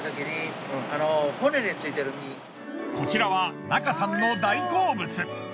こちらは中さんの大好物。